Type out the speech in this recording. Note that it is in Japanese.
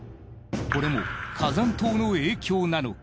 これも火山島の影響なのか？